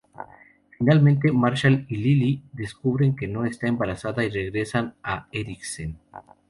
Finalmente, Marshall y Lily descubren que no está embarazada, y regresan a Eriksen.